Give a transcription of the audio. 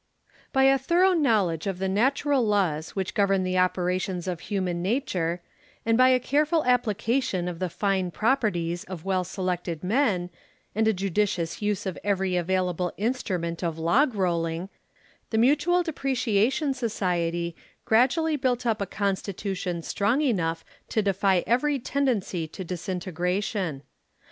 By a thorough knowledge of the natural laws which govern the operations of human nature and by a careful application of the fine properties of well selected men, and a judicious use of every available instrument of log rolling, the Mutual Depreciation Society gradually built up a constitution strong enough to defy every tendency to disintegration.